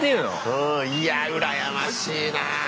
うん。いや羨ましいな。